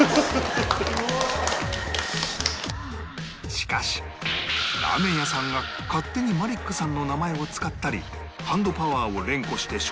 しかしラーメン屋さんが勝手にマリックさんの名前を使ったり「ハンドパワー」を連呼して商売をして大丈夫なのか？